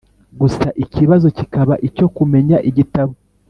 gusa ikibazo kikaba icyo kumenya igitabo